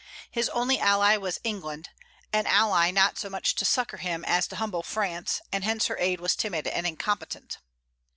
His only ally was England, an ally not so much to succor him as to humble France, and hence her aid was timid and incompetent.